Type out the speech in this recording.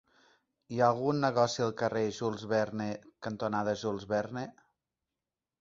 Hi ha algun negoci al carrer Jules Verne cantonada Jules Verne?